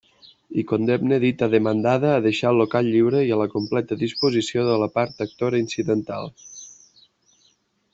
I condemne dita demandada a deixar el local lliure i a la completa disposició de la part actora incidental.